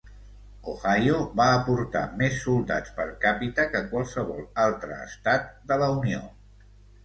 Ohio va aportar més soldats per càpita que qualsevol altre estat de la Unió.